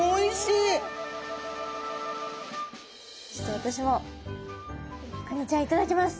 ちょっと私もカニちゃん頂きます。